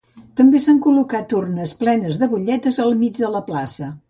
També s’han col·locat urnes plenes de butlletes al mig de la plaça.